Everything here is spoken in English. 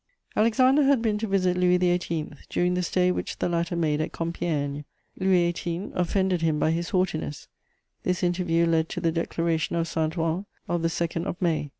] Alexander had been to visit Louis XVIII. during the stay which the latter made at Compiègne. Louis XVIII. offended him by his haughtiness: this interview led to the Declaration of Saint Ouen of the 2nd of May.